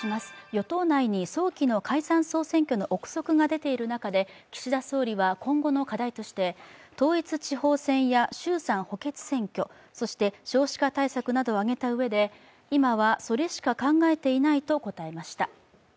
与党内に早期の解散総選挙の憶測が出ている中で、岸田総理は今後の課題として統一地方選や衆参補欠選挙そして少子化対策などを挙げたうえで、今はそれしか考えていないと答えました。